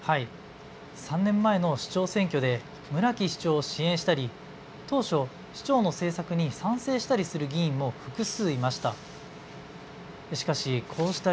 ３年前の市長選挙で村木市長を支援したり当初、市長の政策に賛成したりする議員も複数いました。